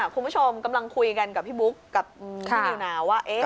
คุณผู้ชมกำลังคุยกันกับพี่บุ๊คกับพี่นิวนาวว่า